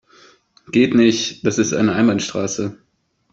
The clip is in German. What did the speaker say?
Geht nicht, das ist eine Einbahnstraße.